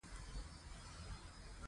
افغانستان د پامیر له امله شهرت لري.